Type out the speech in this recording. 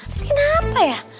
mungkin apa ya